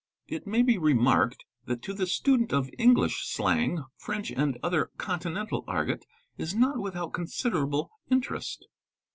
a _ It may be remarked that to the student of English slang, French and : other continental Argot is not without considerable interest.